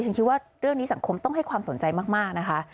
ฉันคิดว่าเรื่องนี้สังคมต้องให้ความสนใจมากนะคะ